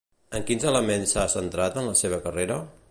En quins elements s'ha centrat en la seva carrera?